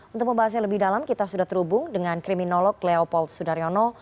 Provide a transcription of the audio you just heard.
untuk membahasnya lebih dalam kita sudah terhubung dengan kriminolog leopold sudaryono